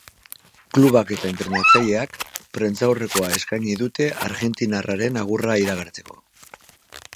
Klubak eta entrenatzaileak prentsaurrekoa eskaini dute argentinarraren agurra iragartzeko.